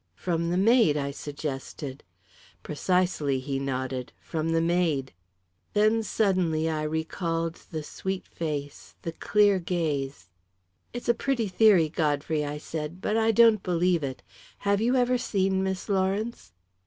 "From the maid," I suggested. "Precisely," he nodded. "From the maid." Then, suddenly, I recalled the sweet face, the clear gaze "It's a pretty theory, Godfrey," I said; "but I don't believe it. Have you ever seen Miss Lawrence?"